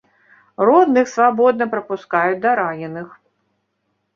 Родных свабодна прапускаюць да раненых.